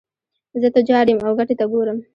زه تجار یم او ګټې ته ګورم.